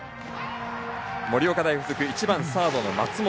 盛岡大付属１番サード、松本。